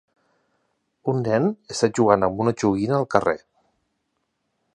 Un nen està jugant amb una joguina al carrer